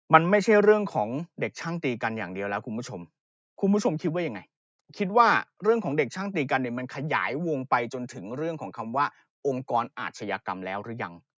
มันไม่ใช่เรื่องของเด็กช่างตีกันอย่างเดียวแล้วคุณผู้ชมคุณผู้ชมคิดว่ายังไงคิดว่าเรื่องของเด็กช่างตีกันเนี่ยมันขยายวงไปจนถึงเรื่องของคำว่าองค์กรอาชญากรรมแล้วหรือยัง